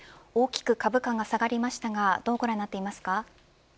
大きく株価が下がりましたがどうご覧になっていますか。